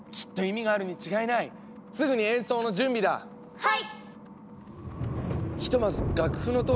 はい！